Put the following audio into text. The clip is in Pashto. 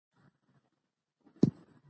کمه خبر چي ګټه نه در رسوي، هغه مه کوئ!